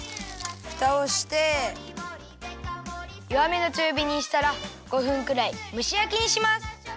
ふたをしてよわめのちゅうびにしたら５分くらいむしやきにします。